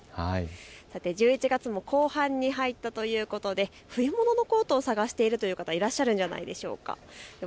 さて１１月も後半に入ったということで冬物のコートを探しているという方、いらっしゃるんじゃないでしょうか。